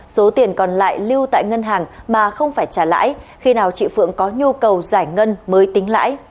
số tiền còn lại lưu tại ngân hàng mà không phải trả lãi khi nào chị phượng có nhu cầu giải ngân mới tính lãi